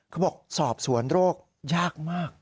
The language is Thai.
เขาบอกสอบสวนโรคยากมาก